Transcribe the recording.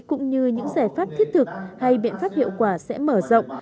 cũng như những giải pháp thiết thực hay biện pháp hiệu quả sẽ mở rộng